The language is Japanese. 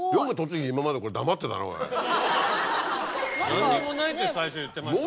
何にもないって最初言ってました。